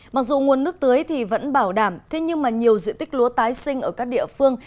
mặc dù nguồn nước tưới thì vẫn bảo đảm thế nhưng mà nhiều diện tích lúa tái sinh ở các địa phương